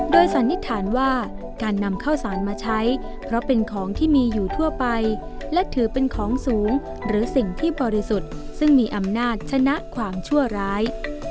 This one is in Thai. โดยสันนิษฐานว่าการนำข้าวสารมาใช้เพราะเป็นของที่มีอยู่ทั่วไปและถือเป็นของสูงหรือสิ่งที่บริสุทธิ์ซึ่งมีอำนาจชนะความชั่วร้าย